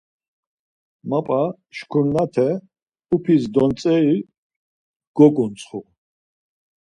Mapa şkurnate, upis dontzeri goǩuntsxu.